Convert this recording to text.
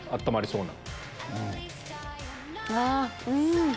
うん！